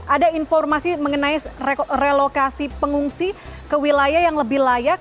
ada informasi mengenai relokasi pengungsi ke wilayah yang lebih layak